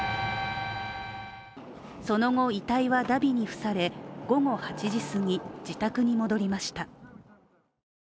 その後、遺体はだびに付され、午後８時すぎ、自宅に戻りました。